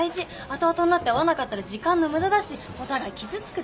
後々になって合わなかったら時間の無駄だしお互い傷つくだけ。